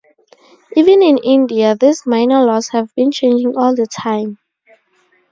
Even in India, these minor laws have been changing all the time.